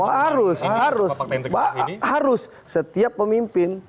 harus harus setiap pemimpin